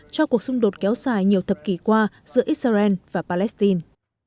cho cuộc xung đột kéo dài nhiều thập kỷ qua giữa israel và palestine